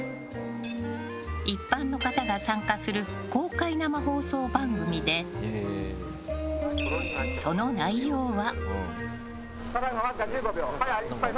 一般の方が参加する公開生放送番組でその内容は。